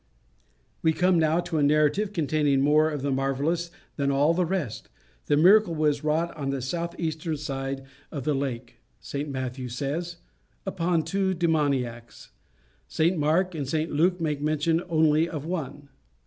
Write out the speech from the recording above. We come now to a narrative containing more of the marvellous than all the rest. The miracle was wrought on the south eastern side of the lake St Matthew says, upon two demoniacs; St Mark and St Luke make mention only of one.